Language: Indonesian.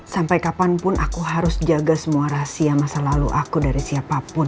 sampai kapanpun aku harus jaga semua rahasia masa lalu aku dari siapapun